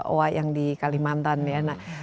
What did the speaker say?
oha yang di kalimantan ya